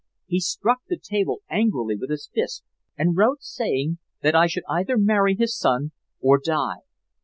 He struck the table angrily with his fist and wrote saying that I should either marry his son or die.